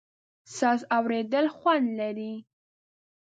ساز اورېدل خوند لري.